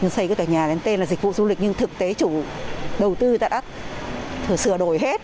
xây cái tòa nhà lên tên là dịch vụ du lịch nhưng thực tế chủ đầu tư đã sửa đổi hết